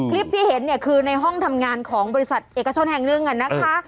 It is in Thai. คลิปที่เห็นเนี่ยคือในห้องทำงานของบริษัทเอกชนแห่งหนึ่งนะคะ